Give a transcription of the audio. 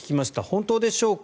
本当でしょうか。